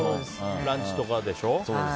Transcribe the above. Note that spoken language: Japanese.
ランチとかでしょ。